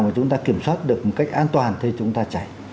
rồi chúng ta kiểm soát được một cách an toàn thì chúng ta chạy